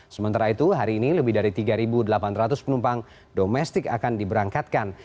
sementara itu hari ini lebih dari tiga delapan ratus penumpang domestik akan diberangkatkan